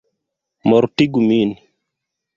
Mortigu min!